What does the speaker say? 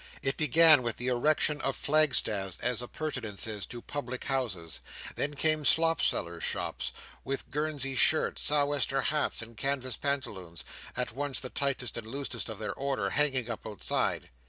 It began with the erection of flagstaffs, as appurtenances to public houses; then came slop sellers' shops, with Guernsey shirts, sou'wester hats, and canvas pantaloons, at once the tightest and the loosest of their order, hanging up outside.